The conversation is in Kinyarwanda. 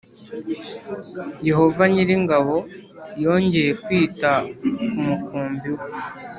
Yehova nyir’ingabo yongeye kwita ku mukumbi we